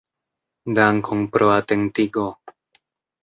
Dankon pro atentigo.